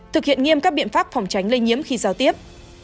thực hiện nghiêm các biện pháp phòng tránh lây nhiễm khi giao tiếp